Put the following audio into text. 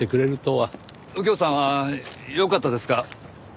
右京さんはよかったですか？